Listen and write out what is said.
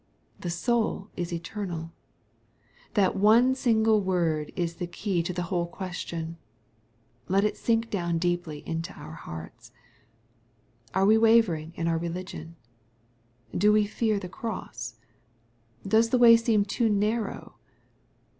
The soul is eternal. That one single word is the key to the whole question. Let it sink down deeply into our hearts. Are we wavering in our re ligion ? Do we fear the cross ? Does the way seem too narrow